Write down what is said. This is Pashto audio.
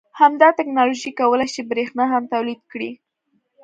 همدا تکنالوژي کولای شي چې بریښنا هم تولید کړي